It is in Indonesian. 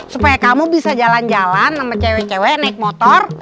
supaya kamu bisa jalan jalan sama cewek cewek naik motor